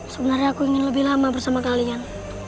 sebenarnya aku ingin lebih lama bersama kalian